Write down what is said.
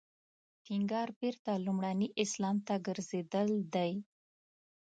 ټینګار بېرته لومړني اسلام ته ګرځېدل دی.